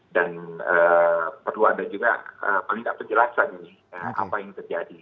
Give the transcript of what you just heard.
dan perlu ada juga paling tidak terjelas lagi apa yang terjadi